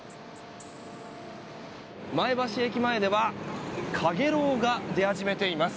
前橋駅前ではかげろうが出始めています。